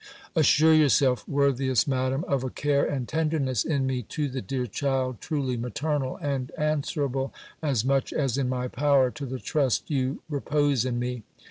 "Assure yourself, worthiest Madam, of a care and tenderness in me to the dear child truly maternal, and answerable, as much as in my power, to the trust you repose in me.